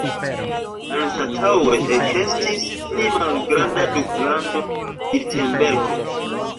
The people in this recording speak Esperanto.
Anstataŭe ekestis pli malgranda duklando Virtembergo.